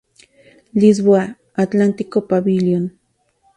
Lisboa, Atlántico Pavilion.